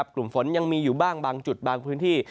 กลุ่มฝนยังมีอยู่บ้างบางจุดบางพื้นที่